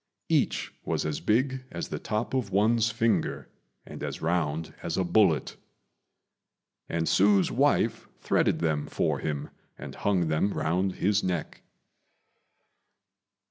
Each was as big as the top of one's finger, and as round as a bullet; and Hsü's wife threaded them for him and hung them round his neck.